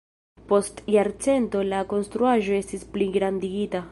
Post jarcento la konstruaĵo estis pligrandigita.